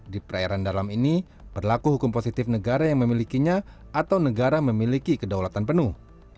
di perairan dalam ini berlaku hukum positif negara yang memilikinya atau negara memiliki kedaulatan penuh